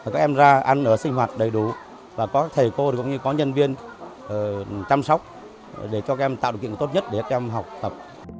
các em ra ăn ở sinh hoạt đầy đủ và có thầy cô cũng như có nhân viên chăm sóc để cho các em tạo điều kiện tốt nhất để các em học tập